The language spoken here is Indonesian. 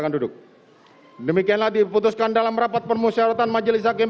yang dilakukan oleh sikmh